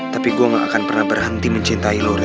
tapi gue gak akan pernah berhenti mencintai lu re